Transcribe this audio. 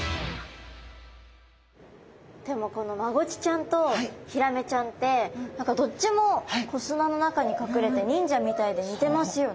でもこのマゴチちゃんとヒラメちゃんってどっちも砂の中に隠れて忍者みたいで似てますよね。